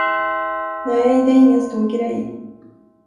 Nej, det är ingen stor grej.